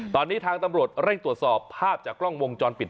ตอนนี้ทางตำรวจเร่งตรวจสอบภาพจากกล้องวงจรปิด